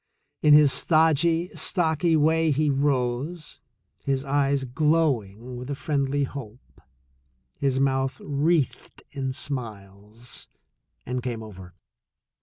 In his stodgy, stocky way he rose, his eyes glowing with a friendly hope, his mouth wreathed in smiles, and came over.